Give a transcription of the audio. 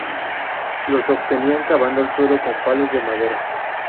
Los obtenían cavando el suelo con palos de madera.